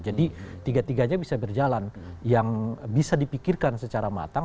tiga tiganya bisa berjalan yang bisa dipikirkan secara matang